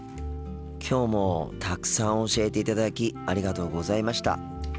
今日もたくさん教えていただきありがとうございました。